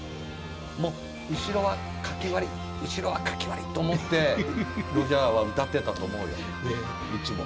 「もう後ろは書き割り後ろは書き割り」と思ってロジャーは歌ってたと思うよいつも。